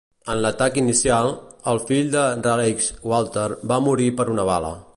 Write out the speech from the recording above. En l'atac inicial, el fill de Raleigh Walter va morir per una bala.